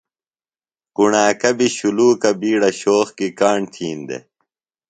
کݨاکہ بیۡ شُلوکہ بیڈہ شوق کی کاݨ تھین دےۡ